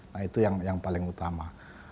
nah itu yang paling utama